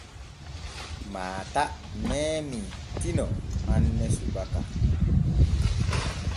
Maata meemii Tino hanne subaka.